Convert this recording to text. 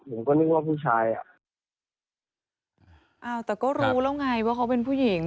ผมก็นึกว่าผู้ชายอ่ะอ้าวแต่ก็รู้แล้วไงว่าเขาเป็นผู้หญิง